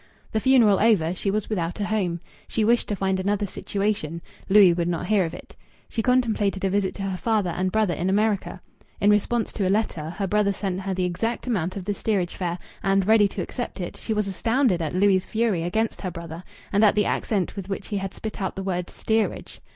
The funeral over, she was without a home. She wished to find another situation; Louis would not hear of it. She contemplated a visit to her father and brother in America. In response to a letter, her brother sent her the exact amount of the steerage fare, and, ready to accept it, she was astounded at Louis' fury against her brother and at the accent with which he had spit out the word "steerage."